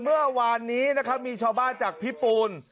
เมื่อวานนี้มีชาวบ้านจากพิปูน